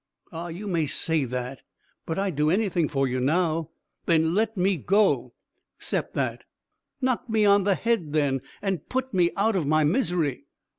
"Ah, you may say that, but I'd do anything for you now." "Then let me go." "'Cept that." "Knock me on the head, then, and put me out of my misery."